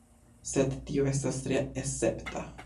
Sed tio estas tre escepta.